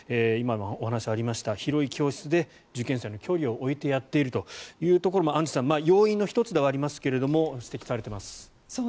今もありましたが広い教室で受験生の距離を置いてやっているというところもアンジュさん要因の１つではありますが指摘されています。